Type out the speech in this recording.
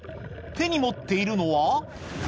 手に持っているのは？